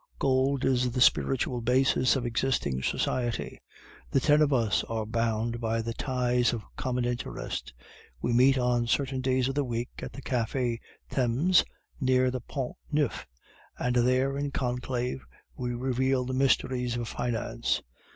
Gold is the spiritual basis of existing society. The ten of us are bound by the ties of common interest; we meet on certain days of the week at the Cafe Themis near the Pont Neuf, and there, in conclave, we reveal the mysteries of finance.